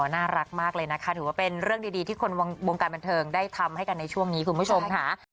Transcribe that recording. น่ารักมากเลยนะคะถือว่าเป็นเรื่องดีที่คนวงการบันเทิงได้ทำให้กันในช่วงนี้คุณผู้ชมค่ะ